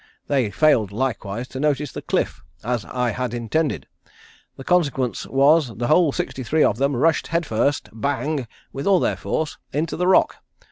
They failed likewise to notice the cliff, as I had intended. The consequence was the whole sixty three of them rushed head first, bang! with all their force, into the rock.